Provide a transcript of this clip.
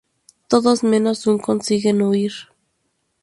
Todos menos uno consiguen huir.